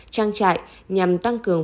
trang trại nhằm tăng cường